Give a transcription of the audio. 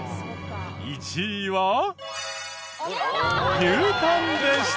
１位は牛タンでした。